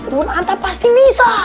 kenaan tak pasti bisa